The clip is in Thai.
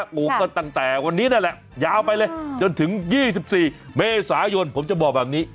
ปลูกก็ตั้งแต่วันนี้นั่นแหละยาวไปเลยจนถึง๒๔เมษายนผมจะบอกแบบนี้